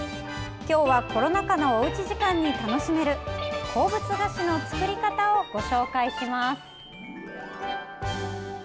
今日は、コロナ禍のおうち時間に楽しめる鉱物菓子の作り方をご紹介します。